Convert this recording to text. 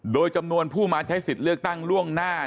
โดยจำนวนผู้มาใช้สิทธิ์เลือกตั้งล่วงหน้า